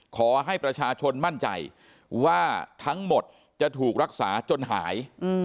ขอให้ประชาชนมั่นใจว่าทั้งหมดจะถูกรักษาจนหาย